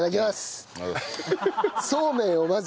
そうめんをまず。